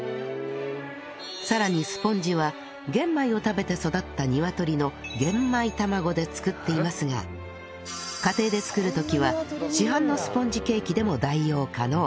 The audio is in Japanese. さらにスポンジは玄米を食べて育った鶏の玄米卵で作っていますが家庭で作る時は市販のスポンジケーキでも代用可能